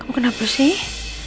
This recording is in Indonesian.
kamu kenapa sih